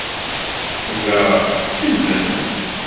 Ugaɣ tselbem.